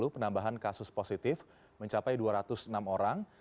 penambahan kasus positif mencapai dua ratus enam orang